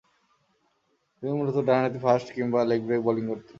তিনি মূলতঃ ডানহাতি ফাস্ট কিংবা লেগ-ব্রেক বোলিং করতেন।